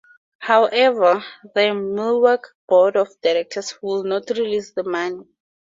However, the Milwaukee's Board of Directors would not release the money.